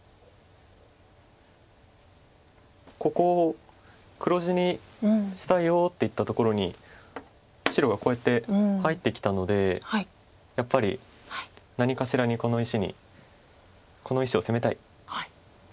ここを黒地にしたいよって言ったところに白がこうやって入ってきたのでやっぱり何かしらこの石にこの石を攻めたい。